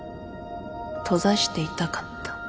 閉ざしていたかった。